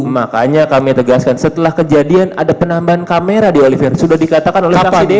makanya kami tegaskan setelah kejadian ada penambahan kamera di oliver sudah dikatakan oleh kpd